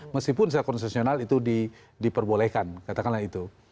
meskipun secara konsesional itu diperbolehkan katakanlah itu